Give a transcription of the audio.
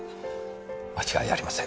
間違いありません。